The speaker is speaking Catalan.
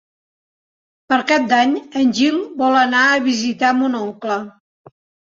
Per Cap d'Any en Gil vol anar a visitar mon oncle.